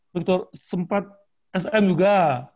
waktu itu sempat sm juga